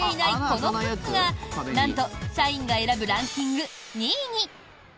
このフックがなんと社員が選ぶランキング２位に。